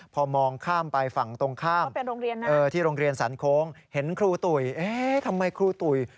พอมองข้ามไปฝั่งตรงข้ามที่โรงเรียนสันโค้งเห็นครูตุ๋ยทำไมครูตุ๋ย